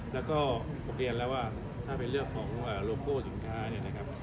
แล้วก็ผมเรียนแล้วว่าถ้าเป็นเรื่องของโลโก้สินค้าเนี่ยนะครับ